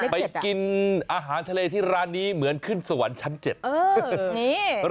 ไปกินอาหารทะเลที่ร้านนี้เหมือนขึ้นสวรรค์ชั้น๗